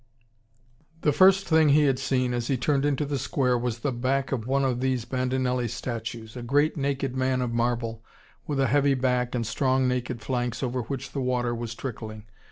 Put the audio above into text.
The first thing he had seen, as he turned into the square, was the back of one of these Bandinelli statues: a great naked man of marble, with a heavy back and strong naked flanks over which the water was trickling.